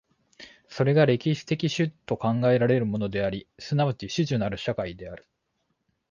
それが歴史的種と考えられるものであり、即ち種々なる社会である。